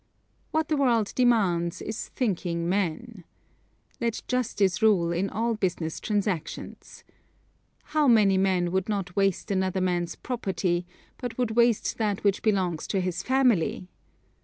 What the world demands is thinking men. Let justice rule in all business transactions. How many men would not waste another man's property, but would waste that which belongs to his family!